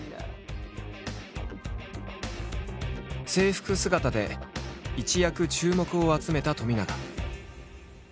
制服姿で一躍注目を集めた冨永。